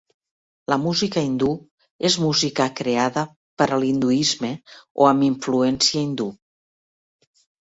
La música hindú és música creada per a l'hinduisme o amb influència hindú.